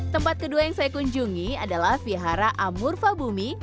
tempat kedua yang saya kunjungi adalah vihara amur fahbumi